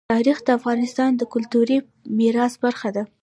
تاریخ د افغانستان د کلتوري میراث برخه ده.